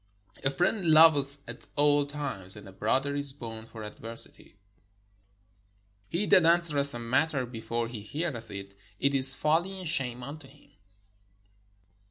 A friend loveth at all times, and a brother is bom for adversity. He that answereth a matter before he heareth it, it is folly and shame unto him.